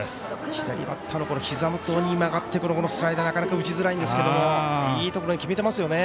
左バッターのひざ元に曲がってくるこのスライダーなかなか打ちづらいんですけどいいところ、決めてますよね。